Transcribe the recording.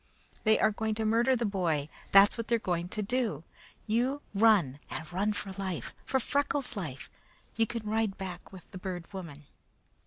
They are going to murder the boy; that's what they are going to do. You run, and run for life! For Freckles' life! You can ride back with the Bird Woman."